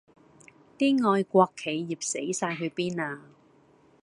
啲愛國企業死哂去邊呀